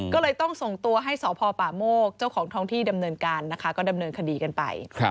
ก็เลยต้องส่งตัวให้สพป่าโมกเจ้าของท้องที่ดำเนินการนะคะก็ดำเนินคดีกันไป